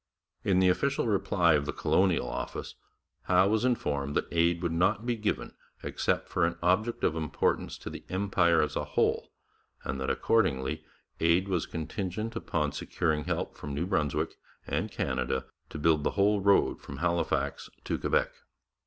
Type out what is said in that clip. In the official reply of the Colonial Office Howe was informed that aid would not be given except for an object of importance to the Empire as a whole, and that accordingly aid was contingent upon securing help from New Brunswick and Canada to build the whole road from Halifax to Quebec.